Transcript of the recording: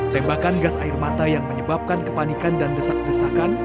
tembakan gas air mata yang menyebabkan kepanikan dan desak desakan